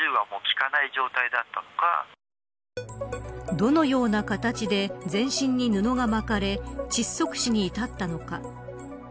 どのような形で全身に布が巻かれ窒息死に至ったのか。